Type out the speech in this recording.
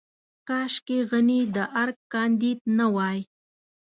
کاشکې غني د ارګ کانديد نه وای.